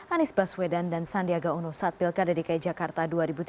anies baswedan dan sandiaga uno satpilka dari ki jakarta dua ribu tujuh belas